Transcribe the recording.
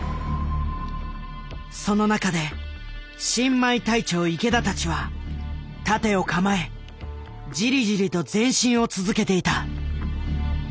その中で新米隊長池田たちは盾を構えジリジリと前進を続けていた。